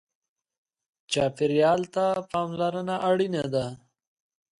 چاپېریال ته پاملرنه اړینه ده.